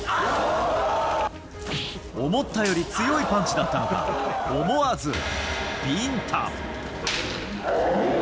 思ったより強いパンチだったのか、思わずビンタ。